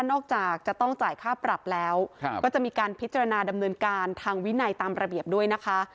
จากจะต้องจ่ายค่าปรับแล้วก็จะมีการพิจารณาดำเนินการทางวินัยตามระเบียบด้วยนะคะ